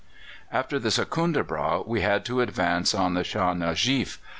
"After the Secundrabâgh we had to advance on the Shâh Nujeef.